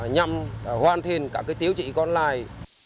nhằm hoàn thiện các tiếu trị còn lại